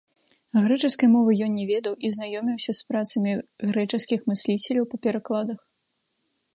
Грэчаскай мовы ён не ведаў і знаёміўся з працамі грэчаскіх мысліцеляў па перакладах.